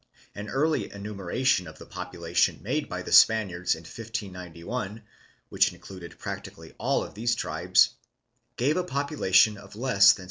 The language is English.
An early enumeration of the population made by the Spaniards in 1591, which included practically all of these tribes, gave a population of less than 700,000.